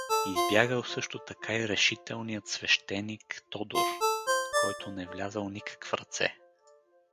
Избягал също така и решителният свещеник Тодор, който не влязъл никак в ръце.